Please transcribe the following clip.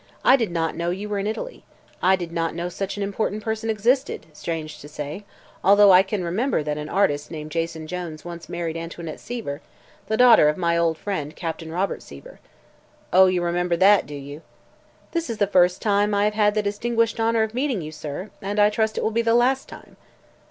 "I did not know you were in Italy. I did not know such an important person existed, strange to say, although I can remember that an artist named Jason Jones once married Antoinette Seaver, the daughter of my old friend Captain Robert Seaver." "Oh, you remember that, do you?" "This is the first time I have had the distinguished honor of meeting you, sir, and I trust it will be the last time."